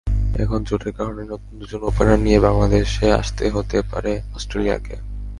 এখন চোটের কারণে নতুন দুজন ওপেনার নিয়ে বাংলাদেশে আসতে হতে পারে অস্ট্রেলিয়াকে।